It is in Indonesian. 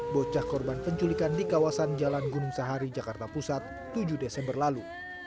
bocah korban penculikan di kawasan jalan gunung sahari jakarta pusat tujuh desember lalu